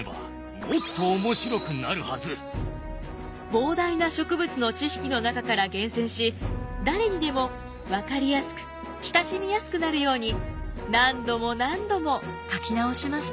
膨大な植物の知識の中から厳選し誰にでも分かりやすく親しみやすくなるように何度も何度も書き直しました。